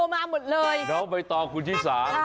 เราก็ไปต่อคุณอาจารย์